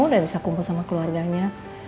dan bisa kumpul sama keluarganya